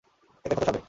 এতে ক্ষত সারবে।